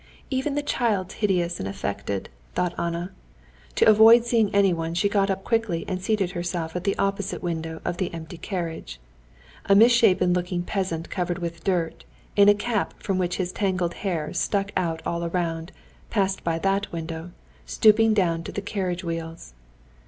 "Even the child's hideous and affected," thought Anna. To avoid seeing anyone, she got up quickly and seated herself at the opposite window of the empty carriage. A misshapen looking peasant covered with dirt, in a cap from which his tangled hair stuck out all round, passed by that window, stooping down to the carriage wheels.